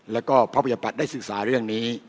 แล้วก็พระพยปัตย์ได้ศึกษาเรื่องนี้